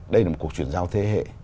đây là một cuộc chuyển giao thế hệ